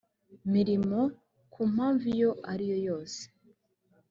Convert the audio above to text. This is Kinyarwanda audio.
mirimo ku mpamvu iyo ariyo yose